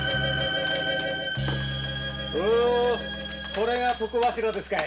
これが床柱ですかい？